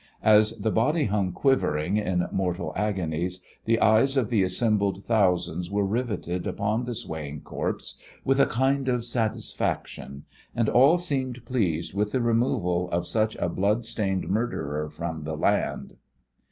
As the body hung quivering in mortal agonies, the eyes of the assembled thousands were riveted upon the swaying corpse with a kind of satisfaction, and all seemed pleased with the removal of such a blood stained murderer from the land."